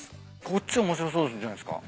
こっち面白そうじゃないっすか？